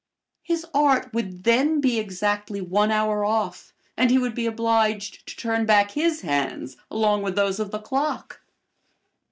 His art would then be exactly one hour off and he would be obliged to turn back his hands along with those of the clock.